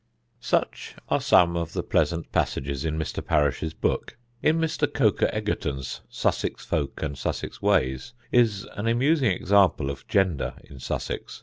Such are some of the pleasant passages in Mr. Parish's book. In Mr. Coker Egerton's Sussex Folk and Sussex Ways is an amusing example of gender in Sussex.